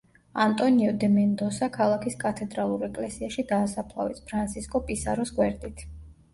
ანტონიო დე მენდოსა ქალაქის კათედრალურ ეკლესიაში დაასაფლავეს, ფრანსისკო პისაროს გვერდით.